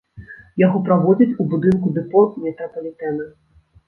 Яго праводзяць у будынку дэпо метрапалітэна.